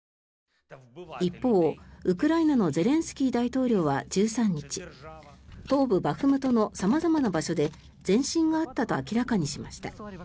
一方、ウクライナのゼレンスキー大統領は１３日東部バフムトの様々な場所で前進があったと明らかにしました。